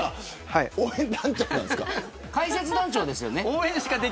解説団長ですよね。